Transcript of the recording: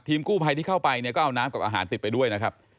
กู้ภัยที่เข้าไปเนี่ยก็เอาน้ำกับอาหารติดไปด้วยนะครับ